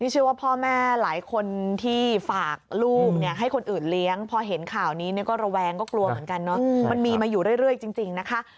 เชื่อว่าพ่อแม่หลายคนที่ฝากลูกให้คนอื่นเลี้ยงพอเห็นข่าวนี้ก็ระแวงก็กลัวเหมือนกันเนอะมันมีมาอยู่เรื่อยจริงนะคะ